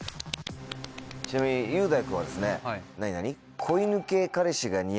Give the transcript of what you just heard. ちなみに雄大君はですねなになに？